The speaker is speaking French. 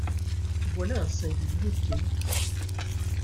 voilà un singulier pays !